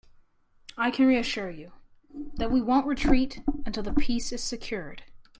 I can reassure you, that we won't retreat until the peace is secured.